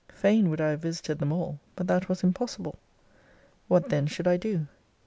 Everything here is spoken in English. Fain would I have visited them all, but that was impossible. What then should I do ?